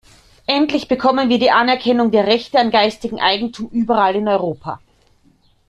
Endlich bekommen wir die Anerkennung der Rechte an geistigem Eigentum überall in Europa.